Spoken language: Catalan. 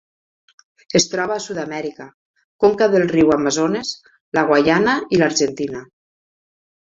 Es troba a Sud-amèrica: conca del riu Amazones, la Guaiana i l'Argentina.